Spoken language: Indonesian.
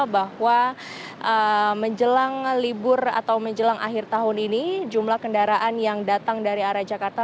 bahwa menjelang libur atau menjelang akhir tahun ini jumlah kendaraan yang datang dari arah jakarta